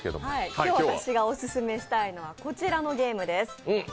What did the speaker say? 今日、私がオススメしたいのはこちらのゲームです。